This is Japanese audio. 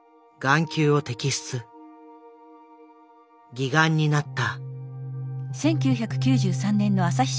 義眼になった。